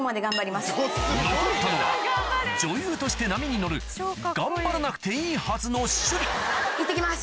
残ったのは女優として波に乗る頑張らなくていいはずの趣里いってきます。